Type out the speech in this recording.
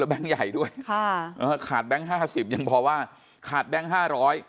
แล้วแบงค์ใหญ่ด้วยขาดแบงค์๕๐บาทยังพอว่าขาดแบงค์๕๐๐บาท